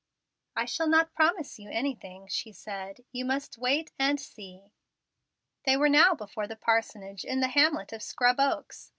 "I shall not promise you anything," she said. "You must wait and see." They were now before the parsonage in the hamlet of Scrub Oaks.